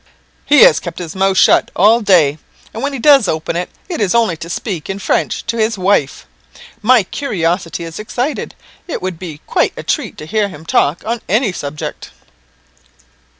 "He has kept his mouth shut all day; and when he does open it, it is only to speak in French to his wife. My curiosity is excited; it would be quite a treat to hear him talk on any subject."